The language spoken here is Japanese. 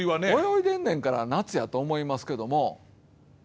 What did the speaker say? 泳いでんねんから夏やと思いますけども。